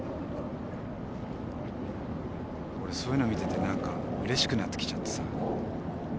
俺そういうの見ててなんかうれしくなってきちゃってさ。